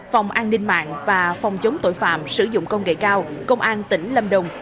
phòng an ninh mạng và phòng chống tội phạm sử dụng công nghệ cao công an tỉnh lâm đồng